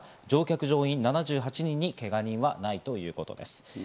乗客乗員７８人にけが人はないということです。